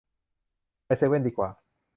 ไปเซเว่นดีกว่า